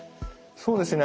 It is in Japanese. そうですね